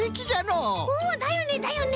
うんだよねだよね！